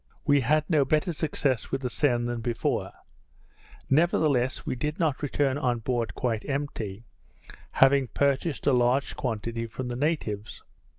We had no better success with the seine than before; nevertheless we did not return on board quite empty, having purchased a large quantity from the natives.